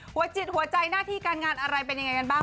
หัวจิตหัวใจหน้าที่การงานอะไรเป็นยังไงกันบ้าง